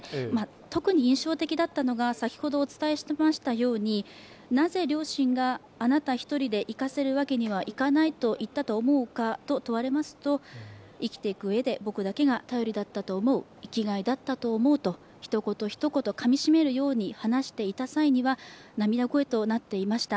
特に印象的だったのが、先ほどお伝えしましたように、なぜ両親があなた１人で逝かせるわけにはいかないと言ったと思うかと問われますと生きていくうえで僕だけが頼りだったと思う、生きがいだったと思うと一言一言かみしめるように話した際には涙声となっていました。